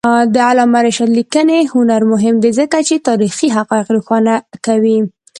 د علامه رشاد لیکنی هنر مهم دی ځکه چې تاریخي حقایق روښانه کوي.